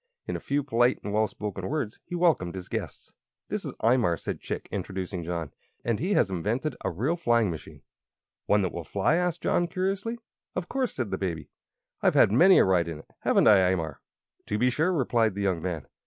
In a few polite and well chosen words he welcomed his guests. "This is Imar," said Chick, introducing John; "and he has invented a real flying machine." "One that will fly?" asked John, curiously. "Of course," said the Baby. "I've had many a ride in it haven't I, Imar?" "To be sure," replied the young man.